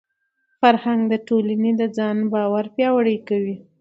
فرهنګ د ټولني د ځان باور پیاوړی کوي.